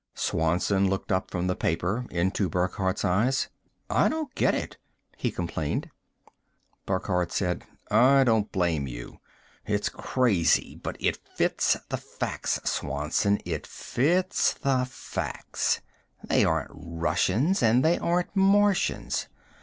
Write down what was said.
Swanson looked up from the paper into Burckhardt's eyes. "I don't get it," he complained. Burckhardt said, "I don't blame you. It's crazy, but it fits the facts, Swanson, it fits the facts. They aren't Russians and they aren't Martians.